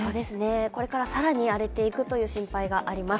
これから更に荒れていくという心配があります。